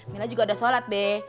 mila juga udah sholat be